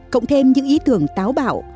cộng thêm những ý tưởng táo bảo